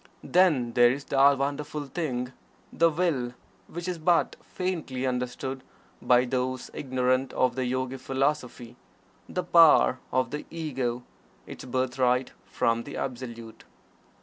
Then there is that wonderful thing, the Will, which is but faintly understood by those ignorant of the Yogi Philosophy the Power of the Ego its birthright from the Absolute.